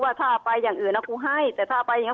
แต่ทะเลาะกันหลายครั้ง